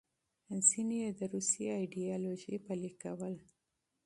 ځینې یې د روسي ایډیالوژي پلې کول.